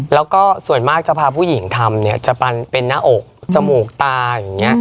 แล้วก็ส่วนมากจะพาผู้หญิงทำเนี่ยจะเป็นหน้าอกจมูกตาอย่างนี้